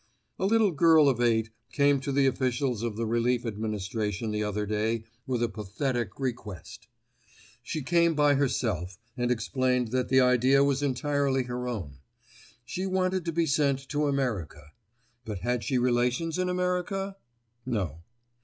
A little girl of eight came to the officials of the Relief Administration the other day with a pathetic request. She came by herself and explained that the idea was entirely her own. She wanted to be sent to America. But had she relations in America? No.